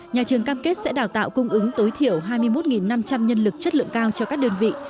nhà trường cam kết sẽ đào tạo cung ứng tối thiểu hai mươi một năm trăm linh nhân lực chất lượng cao cho các đơn vị